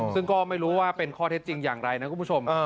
ซึ่งก็ไม่รู้ว่าเป็นข้อเท็จจริงอย่างไรนะคุณผู้ชม